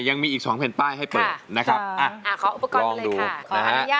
ยังมีอีก๒เพลงป้ายให้เปิดนะครับลองดูนะครับ